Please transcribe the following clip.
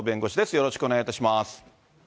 よろしくお願いします。